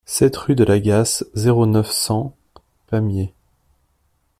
sept rue de l'Agasse, zéro neuf, cent, Pamiers